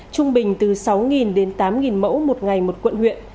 trung bình từ sáu đến tám mẫu một ngày một quận huyện